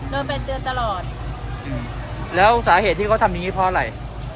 โดนไปเตือนตลอดแล้วสาเหตุที่เขาทำอย่างงี้เพราะอะไร